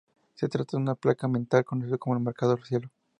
Se trata de una placa de metal conocido como el marcar cielo.